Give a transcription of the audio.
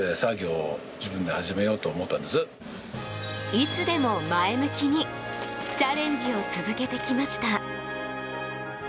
いつでも前向きにチャレンジを続けてきました。